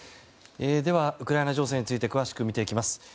ウクライナ情勢について詳しく見ていきます。